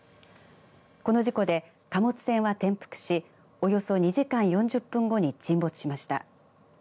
この事故で貨物船は転覆しおよそ２時間４０分後に沈没しました。